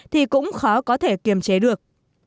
thì cũng khó có thể kiềm chế được